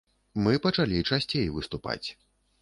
Мы пачалі часцей выступаць.